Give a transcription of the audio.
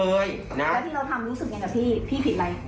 แล้วที่เราทำรู้สึกยังไงกับพี่พี่ผิดไหม